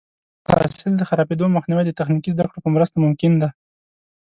د حاصل د خرابېدو مخنیوی د تخنیکي زده کړو په مرسته ممکن دی.